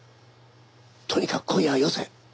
とにかく今夜はよせ。